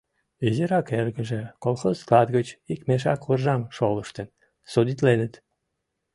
Изирак эргыже колхоз склад гыч ик мешак уржам шолыштын, судитленыт.